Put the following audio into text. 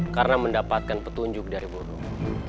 karena mendapatkan petunjuk dari burung